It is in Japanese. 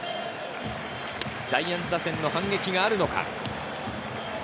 ジャイアンツ打線の反撃があるのか。